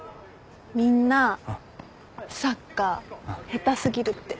みんなサッカー下手過ぎるって。